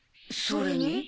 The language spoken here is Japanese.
それに？